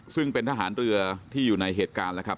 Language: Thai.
ซึ่งเป็นทหารเรือที่อยู่ในเหตุการณ์แล้วครับ